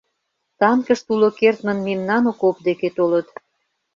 Танкышт уло кертмын мемнан окоп деке толыт.